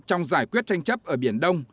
trong giải quyết tranh chấp ở biển đông